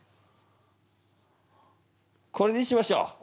これにしましょう。